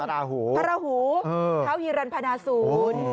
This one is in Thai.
ภราหูภราหูท้าวิรันพนาศูนย์